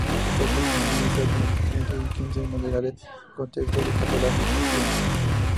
Destacan una misa de difuntos y quince madrigales con textos en catalán y castellano.